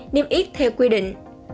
niêm yết theo quy định